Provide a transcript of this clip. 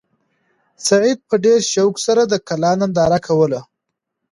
سعید په ډېر شوق سره د کلا ننداره کوله.